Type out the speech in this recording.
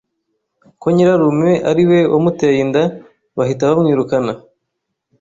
ko nyirarume ari we wamuteye inda bahita bamwirukana